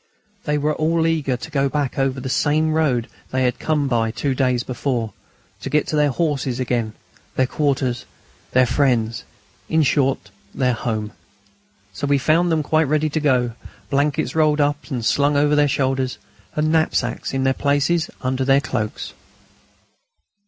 They were all eager to go back over the same road they had come by two days before, to get to their horses again, their quarters, their friends in short, their home. So we found them quite ready to go, blankets rolled up and slung over their shoulders, and knapsacks in their places under their cloaks.